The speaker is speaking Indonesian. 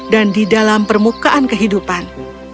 di dalam permukaan kehidupan